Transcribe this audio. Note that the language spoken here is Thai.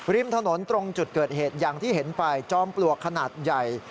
ริมถนนตรงจุดเกิดเหตุอย่างที่เห็นไปจอมปลวกขนาดใหญ่